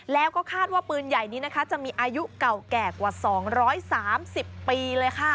แล้วก็คาดว่าปืนใหญ่นี้นะคะจะมีอายุเก่าแก่กว่า๒๓๐ปีเลยค่ะ